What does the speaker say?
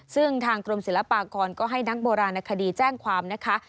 ซึ่งทางกรมศิลปากรก็ให้นักโบราณคดีแจ้งความนะคะ